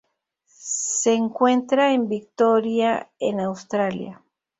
Se encuentra en Victoria en Australia